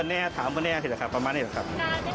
นี้จะดีกว่าสูตรการลงตัว